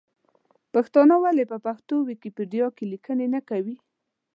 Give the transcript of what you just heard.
پښتانه ولې په پښتو ویکیپېډیا کې لیکنې نه کوي ؟